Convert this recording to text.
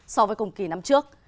so với cùng kỳ năm trước